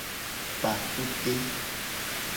Kpa kute.